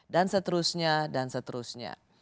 dan seterusnya dan seterusnya